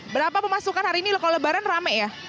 berapa pemasukan hari ini kalau lebaran rame ya